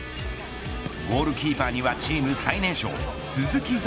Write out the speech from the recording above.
ゴールキーパーにはチーム最年少鈴木彩